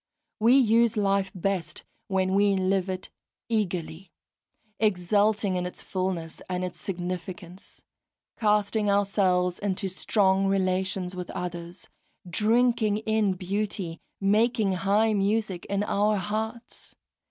We use life best when we live it eagerly, exulting in its fulness and its significance, casting ourselves into strong relations with others, drinking in beauty, making high music in our hearts.